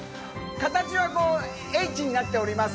形はＨになっております。